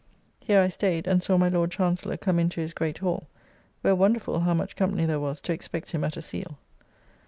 Here I staid, and saw my Lord Chancellor come into his Great Hall, where wonderful how much company there was to expect him at a Seal.